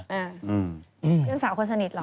เพื่อนสาวคนสนิทเหรอ